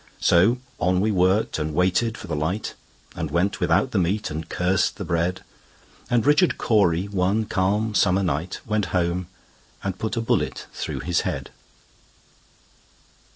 So on we worked, and waited for the light, And went without the meat, and cursed the bread; And Richard Cory, one calm summer night, Went home and put a bullet through his head.